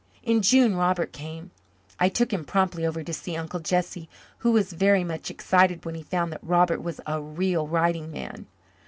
In June Robert came. I took him promptly over to see Uncle Jesse, who was very much excited when he found that Robert was a "real writing man."